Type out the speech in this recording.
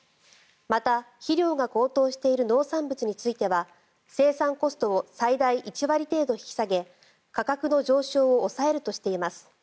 また肥料が高騰している農産物については生産コストを最大１割程度引き下げ価格の上昇を抑えるとしています。